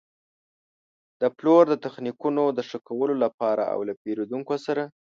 د پلور د تخنیکونو د ښه کولو لپاره او له پېرېدونکو سره.